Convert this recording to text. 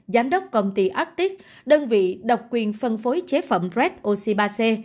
giám đốc công ty attix đơn vị độc quyền phân phối chế phẩm red oxy ba c